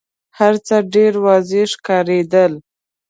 هرڅه ډېر واضح ښکارېدل.